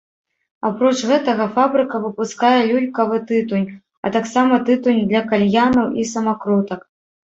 Апроч гэтага, фабрыка выпускае люлькавы тытунь, а таксама тытунь для кальянаў і самакрутак.